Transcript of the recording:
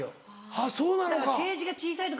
あっそうなのか。